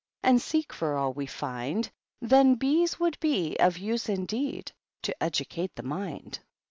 And seek for all we flnd, Then bees would be of use, indeed To educate. the mind.